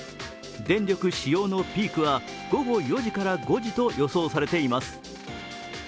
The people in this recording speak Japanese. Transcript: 電力使用のピークは午後４時から５時と予想されています。